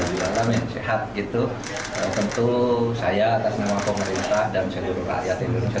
jualan yang sehat gitu tentu saya atas nama pemerintah dan seluruh rakyat indonesia